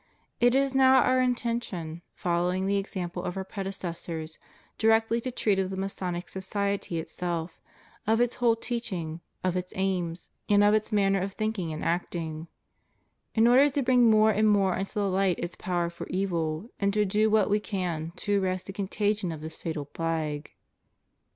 It is now Our intention, following the example of Our predecessors, directly to treat of the Masonic society itself, of its whole teaching, of its aims, and of its manner of thinking and acting, in order to bring more and more into the light its power for evil, and to do what We can to arrest the contagion of this fatal plague.